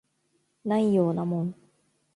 ないようなもん